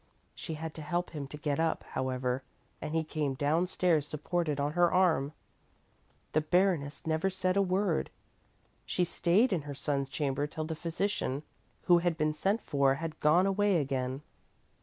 She had to help him to get up, however, and he came downstairs supported on her arm. The Baroness never said a word. She stayed in her son's chamber till the physician who had been sent for had gone away again.